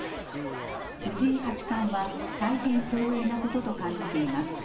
藤井八冠は大変光栄なことと感じています。